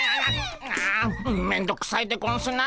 あめんどくさいでゴンスな。